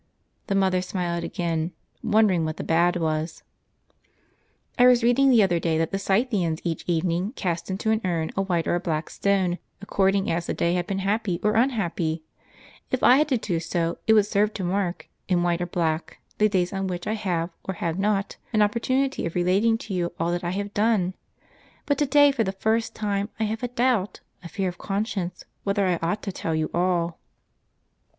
(The mother smiled again, wondering what the bad was.) "I was reading the other day that the Scythians each evening cast into an urn a white or a black stone, according as the day had been happy or unhappy; if I had to do so, it would serve to mark, in white or black, the days on which I have, or have not, an opportunity of relating to you all that I have done. But to day, for the first time, I have a doubt, a fear of conscience, whether I ought to tell you all."